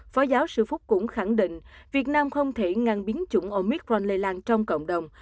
phó giáo sư phúc cũng khẳng định việt nam không thể ngăn biến chủng omicron lây lan trong cộng đồng